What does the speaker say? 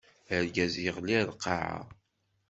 Argaz yeɣli ar lqaɛa.